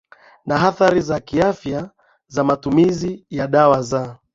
na athari za kiafya za matumizi ya dawa za